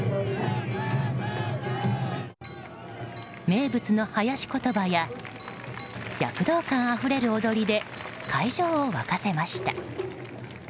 名物の囃子言葉や躍動感あふれる踊りで会場を沸かせました。